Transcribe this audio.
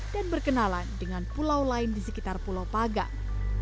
dan berkenalan dengan pulau lain di sekitar pulau pagang